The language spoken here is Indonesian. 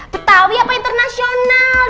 betawi apa internasional